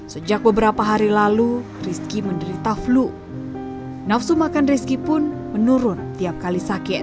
sejak beberapa hari lalu rizky menderita flu nafsu makan rizky pun menurun tiap kali sakit